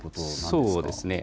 そうですね。